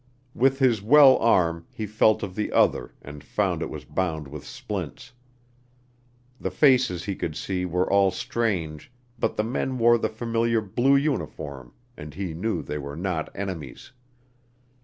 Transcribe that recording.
With his well arm he felt of the other and found it was bound with splints. The faces he could see were all strange, but the men wore the familiar blue uniform and he knew they were not enemies.